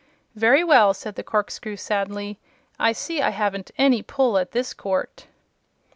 "Very well," said the corkscrew, sadly; "I see I haven't any pull at this court."